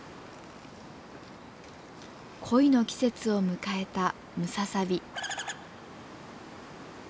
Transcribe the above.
恋の季節を迎えたムササビ。